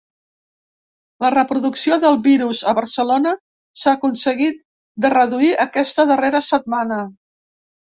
La reproducció del virus a Barcelona s’ha aconseguit de reduir aquesta darrera setmana.